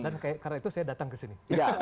dan karena itu saya datang ke sini